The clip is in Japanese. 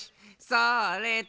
それっと。